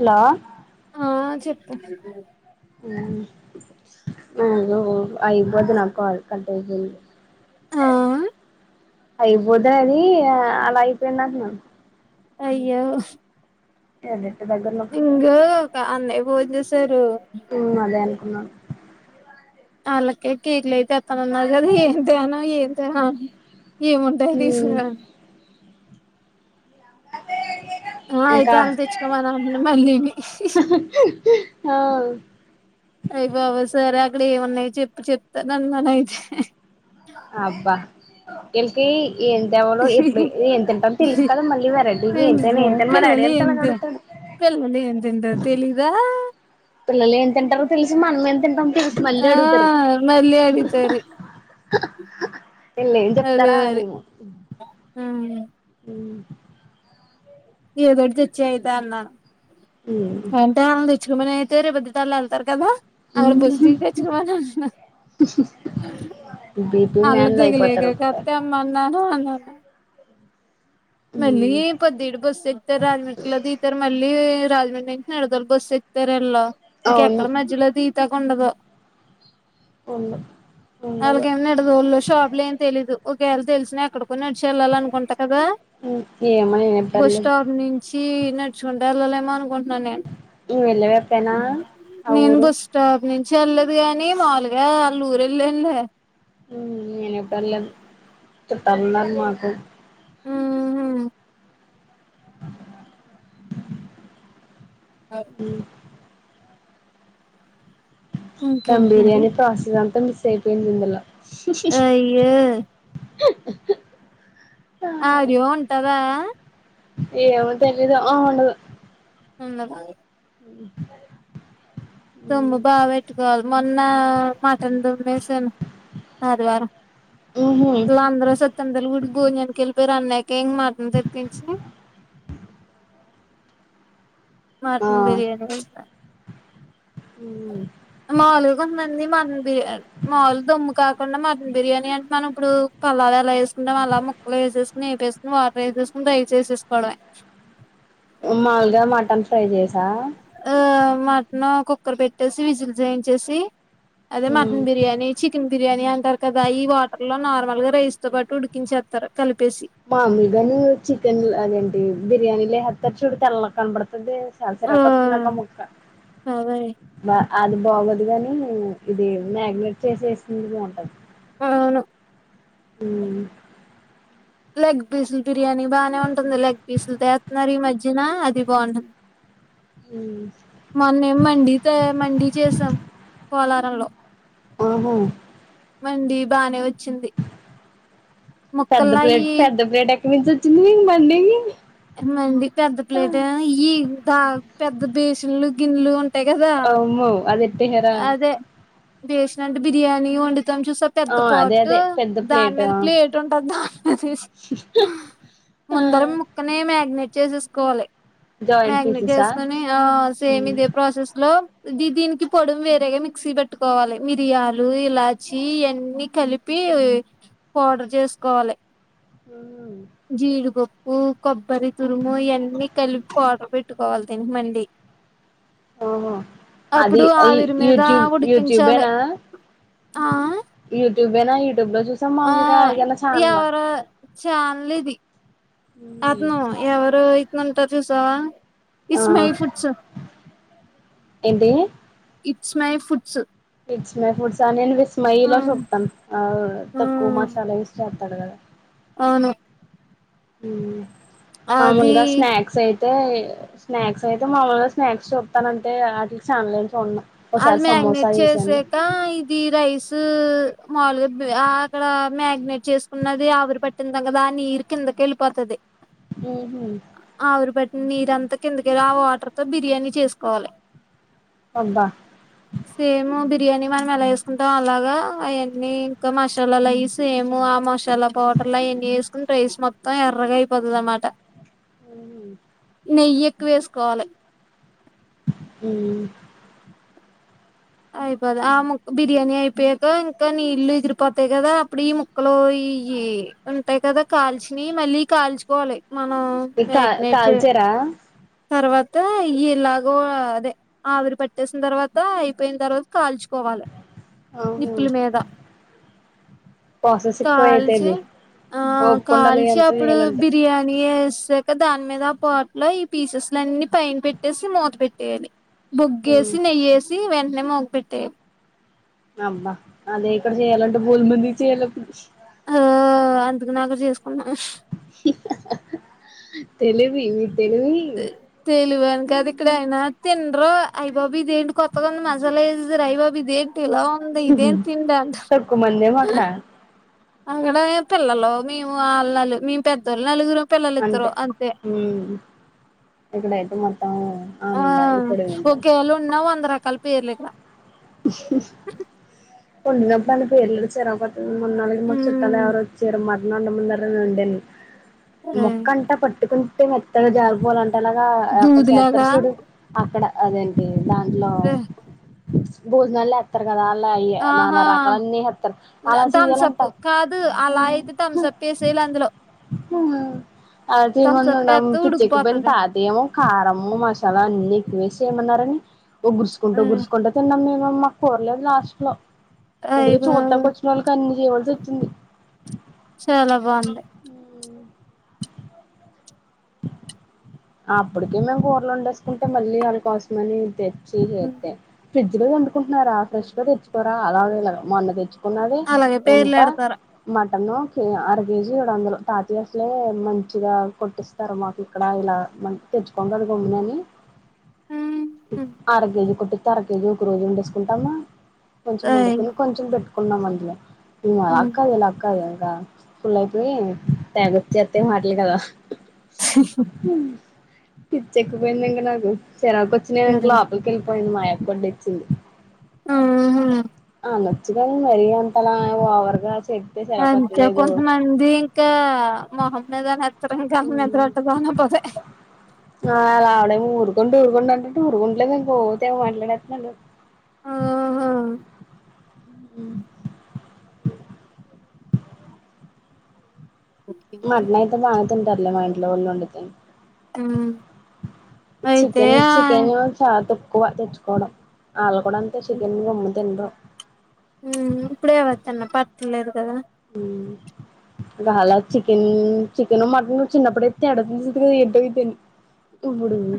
Hello ఆ చెప్పు ఉమ్ అయిపోదు నా కాల్ కట్ ఐపేంది. ఆ అయిబోతాది అది అలా అయిపోయిదంట్నాను. అయ్యో టదే ఇంగ ఒక అన్నయ్య ఫోన్ చేసారు. ఉమ్ అదే అనుకున్నాను. ఆళ్ళకే కేక్లు అయితే ఎతన ఉన్నారు కదా ఏం తేన ఏం తేనా ఏముంటాయ్ మ్మ్ తీసుకురా ఆ అయితే ఇంకా వాళ్ళని తెచ్చుకోమని అన్న మళ్ళీని ఆ అయ్ బాబోయ్ సరే అక్కడ ఏమన్నాయ్ చెప్పు చెప్తాను అన్నాను అయితే అబ్బా ఎంటి ఎంతేవాలో ఎప్పుడు ఎం తింటాం తెలుసు కదా మళ్ళీ వెరైటీకి ఎంతేను ఏంతేను మరి అడిగేంతలా అడుగుతాడు. తెల్వలే ఎంతెంత తెలిదా? పిల్లలు ఏం తింటారో తెలిసి మనంమేం తింటామో తెలిసి మళ్ళీ ఆ అడుగుతారు. [inaudible] మళ్ళీ అడుగుతారు వీళ్ళు ఏం అదే చెప్తారా మరి అనీమో ఏదో ఒకటి తెచ్చియ్ అయితే అన్నా మ్మ్ అంటే ఆళ్ళని తెచ్చుకోమని అయితే రేపద్దుటాళ్ళ వెళ్తారు కదా ఆడ బస్ దిగి తెచ్చుకోవాలంట్న బీపీ అల్ల మ్యాన్లు దిగ లేక అయిపోతారు కద్ ఒకసారి తెమ్మన్నాను అని అన్నా మళ్ళీ మ్మ్ పొద్దేడు బస్సు ఎక్తరా అని అట్లా దిగ్తారు మళ్ళీ రాజమండ్రి నుంచి నిడదోలు బస్సు ఎక్తారు ఆళ్ళు అవును ఇంకెక్కడ మధ్యలో దిగుతాకుండదు. ఉండు ఉండదు. షాప్ లో ఏం తెలీదు ఒకవేళ్ తెలిసినా అక్కడ నడిచే వెళ్ళాల అనుకుంటా కదా ఏమో నేను బస్ ఎప్పుడెళ్ళలేదు స్టాప్ నుంచి నడుచుకుం టా వెళ్ళలేమో అనుకుంటున్నాను నేను నువ్వు వెళ్ళావా ఎప్పుడైనా ఆ నేను ఊరు బస్ స్టాప్ నుం చెల్లేదు గాని మాములుగా వాళ్ళు ఊరు వెళ్ళాన్లే ఉమ్ నేనేప్పుడు వెళ్లేదు తుట్టాన్నార్ మాకు ఉమ్ హు ఉమ్ టమ్ ఇంకేంటిమరి బిర్యానీ ప్రాస్ అంతా మిస్ అయిపోయింది ఇందులో అయ్యో [inaudible] ఆడియో ఉంటాదా? ఏమో తెలీదు ఆ ఉండదు. ఉండదా? ఉమ్ తొమ్ము బాగా పెట్టుకోవాలి మొన్న మటన్ దుమ్మేసాను ఆదివారం ఊహూ ఈల్లందరు సూత్తంటే లూరి భోజనానికి కేల్ మీరు అన్నయక ఇం మాటం తెప్పించ [unintelligible] ఆ మటన్ బిర్యానీ ఎస్తా మాలు కొందండి మన బి మాములు దమ్ము కా [unintelligible] కాకుండా మటన్ బిర్యా అంటే మనం ఇప్పుడు పల్లావ ఎలా వేసుకుంటం అలా ముక్కలు వేసుకుని వేకుని వాటర్ వేని [unintelligible] తుా ఇచ్చేసస్కోడవ [unintelligible] మాములుగా మటన్ ఫ్రై చేసి ఆ మటన్ కుక్కర్ పెట్టేసి విజిల్స్ వేయించేసి అదే మటన్ బిర్యానీ చికెన్ బిర్యానీ అంటారు కదా ఈ వాటర్ లో నార్మల్ గా రైస్ తో పాటూ ఉడికించేస్తారు. కలిపేసి మాములు గాను చికెన్ అదేంటి బిర్యానీ లేసే స్తారు చూడు తెల్లాగ కనపడుతది సంసర ఆ ఒ కొ చిిన్నక ముక్క అదే బా [unintelligible] అది బాగోదు గాని ఇది మ్యాగ్నేట్ చేసి వేసింది బాగుంటది అవును ఉం లెగ్ పీసులు బిర్యానీ బానే ఉంటుంది లెగ్ పీసులుతో వేస్తున్నారు ఈ మధ్యన అది బాగుంటుంది ఉం మొన్నేం మండి తో మండీ చేసాం పోలారంలో ఓహో మంది బానే వచ్చ పెద్ద ముక్కల్లా ప్లేట్ అయి పెద్ద ప్లేట్ ఎక్కడి నుంచి వచ్చింది మీకు మండికి మండి పెద్ద ప్లేట్ ఆ ఇయ్యి ప పెద్ద బేషన్లు గిన్నెలు ఉంట అమ్మో అదే అదే బేశనంటే బిర్యాని వండు మొత్తం చూసా ఆ పెద్ద అదే పాట్టు అదే పెద్ద ప్లేట్ ఆ దానిమీద ప్లేట్ ఉంటది దాని మీద వేసి ముందర ముక్కనే మ్యాగ్నేట్ చేసేసుకోవాలి జాయింట్ మ్యాగ్నేట్ పీసెసా చేసుకుని ఆ సేమ్ ఇదే ప్రాసెస్ లో దీ దీనికి పొడుం వేరేగా మిక్సీ పట్టుకోవాలి మిరియాలు ఇలాచి ఇవన్నీ కలిపి పౌడర్ చేసుకోవాలి ఆ జీడిపప్పు ఉం కొబ్బరి తురుము ఇవన్నీ కలిపి పౌడర్ పెట్టుకోవాలి తినికి మళ్ళీ ఓహో [unintelligible] అది అప్పుడు ఈ ఆవిరి మీద యూట్యూబ్ ఉడికించాలి యూట్యూబేనా ఆ... నువ్వేనా ఇ ఆ ఎవరు ఛానల్ ఇది అతను ఎవరో ఇతను ఉంటాడు చుసావా ఆ ఇట్స్ మై ఫుడ్స్ ఏంటి it's my foods it's my foods అ నేను విస్మయ లో చూస్తా ను తక్కువ మసాల వేసి చేస్తాడు కదా అవును ఉం అది మాములుగా స్నాక్స్ అయితే తే స్నాక్స్ అయితే మామలుగా స్నాక్స్ చూస్తా నంతే వాటికి ఛానలేమి చూడను ఒకసారి అది సమోసా మ్యారినేట్ చేసాను చేసాక ఇది రైస్ మాములుగా అక్కడ మ్యాగినేట్ చేసుకున్నది ఆవిరి పట్టిందాం కదా ఆ నీరు కిందకి వెళ్ళిపోతుది ఉహు ఆవిరి పట్టిన నీరు ఇదంతా కిందకి ఇలా ఆ వాటర్ తో బిర్యానీ చేసుకోవాలి అబ్బా సేమ్ బిర్యానీ మనం ఎలా వేసుకుంటాం అలాగా అయన్నీ ఇంకా మశలాలు అయి సేమ్ ఆ మసాలా పౌడర్ అట్లా ఎన్ని వేసుకుని రైస్ మొత్తం ఎర్రగా అయిపోతది అనమాట హూ హమ్ నెయ్యి ఎక్కువేసుకోవాలి మ్ అయిపోద్ ఆ ముక్క బిర్యానీ అయిపోయాక ఇంకా నీళ్లు ఎగిరిపోతాయి కదా అప్పుడు ఈ ముక్కలు ఈ ఈయ్యి ఉంటాయి కదా కాల్చినై మళ్ళీ కాల్చుకోవాలి మనం ఇకా మ్యాగ్నేైట్ కాల్చారా తర్వాత ఇలాగో అదే ఆవిరి పట్టేసిన తర్వాత అయిపోయిన తర్వాత కాల్చు కోవాలే అహ కాల్చి ఆ ఓపికుండాలి కాల్చి ఎంత అప్పుడు చేయాలంటే బిర్యాని ఎస్ సాక దాని మీద ఆ ప్లేట్లో ఈ పీసెస్లన్ని పైన పెట్టేసి మూత పెట్టేయాలి బొగ్గేసి నెయ్యేసి వెంటనే మోగ పెెట్టాయ అబ్బా అదే ఇక్కడ చెయ్యాలంట భూల్మంది చేయాలప్పుడు పొద్దునక చేసుకున్నా తెలివి తెలివి తెలివనికి కదు ఎక్కడైనా తిిన్రు ఐబాబోయ్ ఇదేంటి కొత్తగా ఉంది మసాలేసేసారు అయ్యబాబోయ్ ఇదేట్ ఇలా ఉంది ఇదేన్ తిందంటర్ తక్కువ మందేమో అక్కడ అక్కడ పిల్లలు మేము అల్లాలు మేము పెద్దోళ్ళు నలుగురం పిల్లలిద్దరు అంతే ఉమ్ ఇక్కడైతే మొత్తం ఆ అందరు ఇప్పుడు ఒకేళ ఉన్నా వంద రకాల పేర్లు ఇక్కడ ఉంన్నప్ప అని పేర్లు ఉంటే చిరకోతది మొన్న అలాగే మాకు చుట్టాలు మ్ ఎవరో వచ్చారు మ డమన్నారని వండను మొక్క అంటా పట్టుకుంటేె మెత్తగా జాగిపోవాలం ఏలాగా అక్కడ దూదిలాగా చెత్తరుచుడు అక్కడ అదేంటి దాంట్లో బోజనళ్ళో ఎత్తర్ కదా అల అయ్యి నాన్న ఆహా రకాలన్నీ ఏసేత్తరు అలా థమ్సప్ చెయ్యాలంటా మ్ హుమ్ ఏసేలేయలందులో హుమ్ అదేం వండాడం వేస్తే పిచ్చకిపోఇంది ఉడికిపోతది తాతయేమో కారం మసాలా అన్నిీ ఎక్కువేస్ ఏమన్నారని ఒగురసుకుంటా గుర్చుకుంటే తిన్నాం మేము మాకు కోరలేదు లాస్ట్ లో అయ్య అందుకే బాబోయ్ చూడ్డనికోచ్చినోళ్ళ కన్ని చేయవలసి వచ్చింది చాలా బాగుంది అప్పటికే మేము కూరలు వండేసుకుంటే మళ్ళీ వాళ్ళ కోసమని తెచ్చి చేతె ఫ్రిడ్జ లోయి వండుకుంటరా ఫ్రెష్ గా తెచ్చుకోరా అలాగేలాగ మొన్న తెచ్ ఉన్నది అలాగే పేర్లు ఎంత పెడతారు మద్ టను కే అర కేజీ ఏడు వందలు తాతయ్య అసలే మంచిగా కొట్టిస్తారు మాకు ఇక్కడ ఇలా మ తెచ్చుకుంటడు కొమ్మినని అర కేజీ కోట్టి తర కేేజీ ఒక రోజు వండేసుకుంటామా కొంచెం అయ్ వండుకోని కొంచెం పెట్టుకున్నాం అందులో ఇంగ అక్కయోళ్ళాక్కాయ్ కద ఇంగ ఫులైపోయాయేమొ తెగోచ్చేతై మాటలు కదా స పిచ్చెక్కిపోయింది ఇంక నాకు చెరకోచ్చి నేను ఇంక లోపలికేళ్ళిపోయన్ మా అక్కడనుంచి ఆహ అనోచ్చు కని మరి అంతలా ఓవర్గా చే అంతే కొంతమంది ఇంకా మొహం మీదనేత్ మ్ ఆ ఆడేం మూరు ొ ఊరుకొండి అంటుంటే ఊరుగుంటలేదు ఇంక ఒ తెగ మాట్లాడేతున్నాడు ఆహా మటన్ అయితే తాంగతింటారులే మ ఇంట్లో వల్లోండితే ఉమ్ అయితే చికెన్ చికెన్ చాలా తక్ క్కువ తెచ్చుకోవడం వాళ్ కూడా అంతే చికెన్ గమ్ము తిినరు ఊ ఇప్పుడే వచ్చన్నా పట్టలేదు కదా ఊ హల చికెన్ చికెన్ మటన్ చిన్నప్పుడయితే ఎడతుంది కద ఎడ అయిదని ఇపుడిది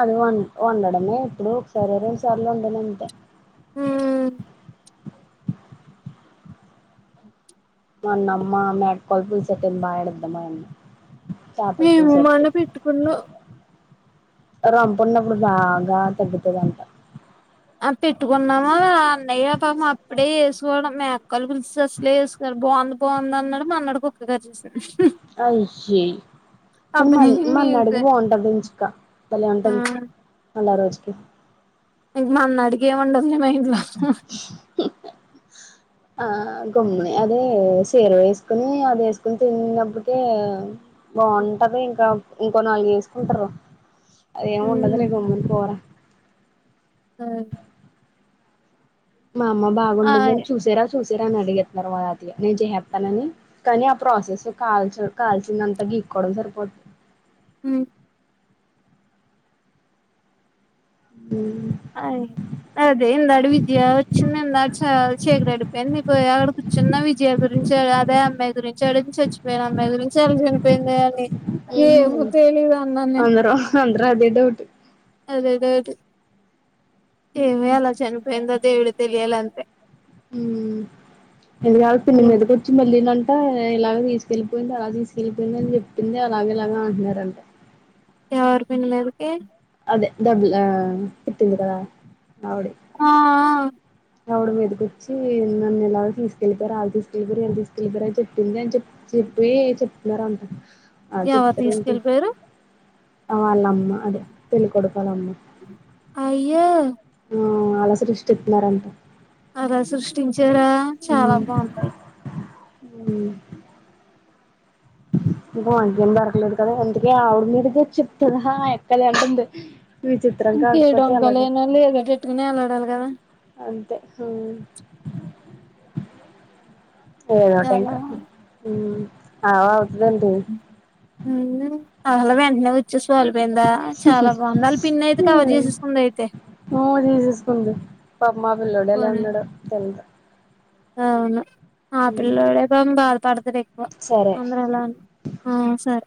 అది వన్ వండడమే ఎప్పుడో ఒకసారి రెండు సార్లు వండానంతే ఊ మొన్నమ్మ నైట్ కొంత బి సెట్ ఐంది బా ఏడదమ్మ అని మేమ్ మన్న పెట్టుకున్నా రంపున్నప్పుడు బాగా తగ్గుతదంట ఆ పెట్టుకున్నామా అన్నయ్య పాపం అప్పుడే చేేసుకోవడం మే అక్కలు పులిసి అసలే ఏసుకోడు బాగుంది బాగుంది అన్నాడు మర్ నాడు కుక్కకరిచేసింది అయ్యి ఇంక అప్పటి మన్ నుంచి మా నడిగి మీదే బాగుంటది ఇంచుక బలే ఉంటది ఆ అలా రోజుకి ఇంక మొన్న అడిగే ఉంటది మెనూ ఆ గమ్ముని అదే సీర వేసుకుని అది వేసుకుని తిన్నప్పటికే బాగుంటది ఇంకా ఇంకో నాలుగు ఏసుకుంటరు అదేమ ఉండదులే గమ్మన పోరా ఆ మా అమ్మ ఆయ్ బాగుండిందని చూసే రాస్ చూసరాని అడిగ తర్వా అ నేను చేస్తతానని కానీ ఆ ప్రాసెస్ కాల్ కాల్సినంతగా ఈకోవడం సరిపోది ఉ ఊ ఆయ్ అదే ఇందాడు విజయ వచ్చింది ఇందాడు చ చీకడడిపోయింది నీ పో అక్కడ కూర్చున్న విజయ గురించి జడ అదే అమ్మాయి గురించి చెడించి చచ్చిపోయాను అమ్మాయి గురించి చల్ జనిపోయిందే అని ఏమో తెలీదు దన్నానేను డ్రదే డౌట్ అదే డౌట్ ఏమో ఎలా చనిపోయిందో దేవుడికి తెలియాల అంతె ఊ లేకపోతే నీ మీదకు వచ్చి మళ్ళీ నన్ అ ఇలాగ తీసుకెళ్ళలిపోయింది అలా తీసుకెళ్ళలిపోయింద అని చెప్పింది అలాగే ఇలాగా అంటున్నారంట ఎవర్ పిన్ మీదికి అదే డబ్ల్ ఆ [unintelligible] నవుడి ఆ ఆవిడ మీద కోచ్చి నన్ను ఎలా తీసుకెళ్లిపోరారు అళ్ళ తీసుకెళ్లిపోారు ఎలా తీసుకెళ్లిపోయారు అని చెప్పింది అని చెప్పి చెప్పి చెప్తున్నారంట అ ఎవరు చెప్తారేంటి తీసుకెళ్ళిపోయారు వాళ్ళమ్మ అదే పెళ్లి కొడకాలమ్మ అయ్యో ఆ అల సృష్టిస్తున్నారంట అలా సృష్టించార చాలా బాగుంది ఊ [inaudible] [inaudible] ఇంకో అకేం దొరకలేదు కదా అందుకే ఆవిడ మీదకి చెప్తది ఆ ఎక్కలే అంటుంది విచిత్రం ఇంకే కాకపోతే అలాగా డొంకలేనోళ్ళు ఏదో పెట్టుకుని ఎలాడాలి కదా అంతే ఊ చాలా ఏదోటింకా ఊ ఆవవు అళ వెంటనే వచేస్ కోల్పోయిందా చాలా బాగుంది అళ పిన్న అయితే కవర్ చేసేసుకుంది అయితే తీసేసుకుంది పాపం ఆ పిల్లోడు ఏలా పోనీ ఉన్నడో తెలియదు అవును ఆ పిల్లడే పాప బాధపడతడు ఎక్కువ సరే అందర్ ఎల అని అవును సార్